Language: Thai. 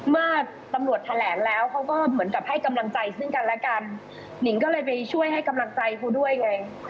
เมื่อตำรวจแถลงแล้วเขาก็เหมือนกับให้กำลังใจซึ่งกันและกันหนิงก็เลยไปช่วยให้กำลังใจครูด้วยไง